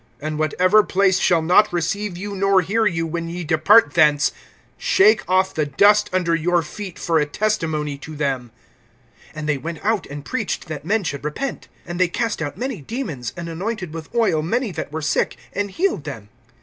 (11)And whatever place shall not receive you, nor hear you, when ye depart thence, shake off the dust under your feet for a testimony to them[6:11]. (12)And they went out, and preached that men should repent. (13)And they cast out many demons, and anointed with oil many that were sick, and healed them.